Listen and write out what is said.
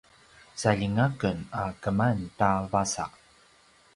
saljinga ken a keman ta vasa